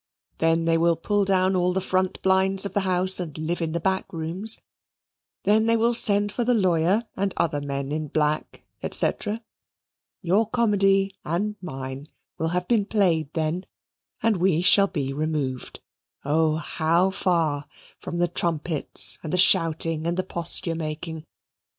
Then they will pull down all the front blinds of the house and live in the back rooms then they will send for the lawyer and other men in black, &c. Your comedy and mine will have been played then, and we shall be removed, oh, how far, from the trumpets, and the shouting, and the posture making.